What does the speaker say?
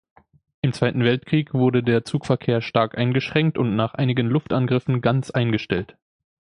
Im Zweiten Weltkrieg wurde der Zugverkehr stark eingeschränkt und nach einigen Luftangriffen ganz eingestellt.